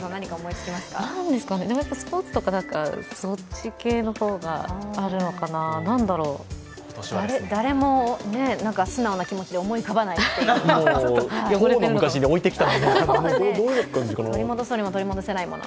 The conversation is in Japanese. スポーツとかだったらそっち系の方があるのかな、何だろ誰も素直な気持ちで思い浮かばないっていうもうとうの昔に置いてきた。